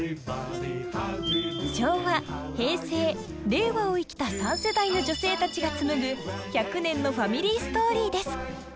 昭和平成令和を生きた三世代の女性たちが紡ぐ１００年のファミリーストーリーです。